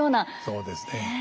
そうですね。